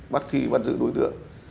bắt khi bắt giữ đối tượng